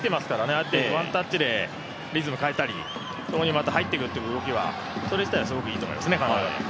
ああやってワンタッチでリズムを変えたり入ってくるという動きはそれ自体はすごくいいと思いますね。